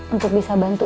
untuk bisa bantuin